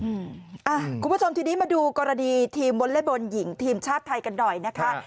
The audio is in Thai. คุณผู้ชมทีนี้มาดูกรณีทีมวอเล็กบอลหญิงทีมชาติไทยกันหน่อยนะคะ